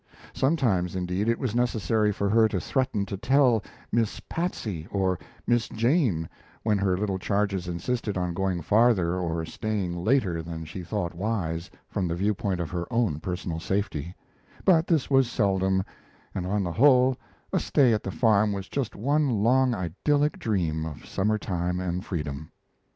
Sometimes, indeed, it was necessary for her to threaten to tell "Miss Patsey" or "Miss Jane," when her little charges insisted on going farther or staying later than she thought wise from the viewpoint of her own personal safety; but this was seldom, and on the whole a stay at the farm was just one long idyllic dream of summer time and freedom.